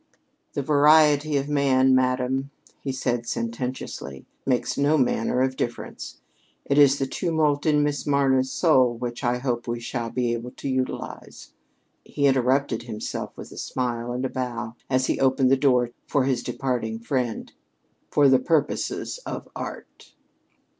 "The variety of man, madam," he said sententiously, "makes no manner of difference. It is the tumult in Miss Marna's soul which I hope we shall be able to utilize" he interrupted himself with a smile and a bow as he opened the door for his departing friend "for the purposes of art."